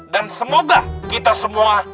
dan semoga kita semua